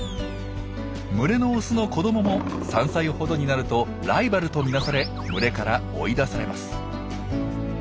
群れのオスの子どもも３歳ほどになるとライバルと見なされ群れから追い出されます。